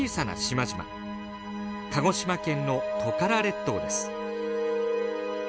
鹿児島県のトカラ列島です。